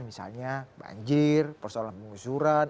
misalnya banjir persoalan pengusuran